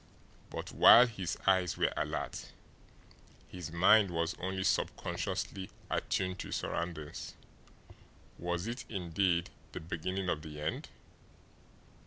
But while his eyes were alert, his mind was only subconsciously attune to his surroundings. Was it indeed the beginning of the end?